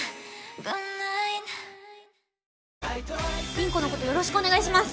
凛子のことよろしくお願いします。